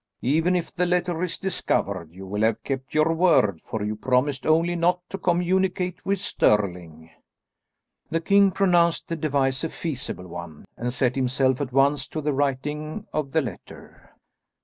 Even if the letter is discovered, you will have kept your word, for you promised only not to communicate with Stirling." The king pronounced the device a feasible one, and set himself at once to the writing of the letter.